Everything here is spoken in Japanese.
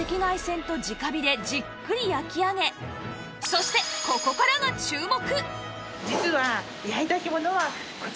そしてここからが注目